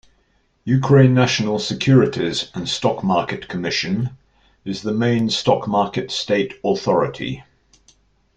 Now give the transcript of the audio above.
Ukraine National Securities and Stock Market Commission is the main stock market state authority.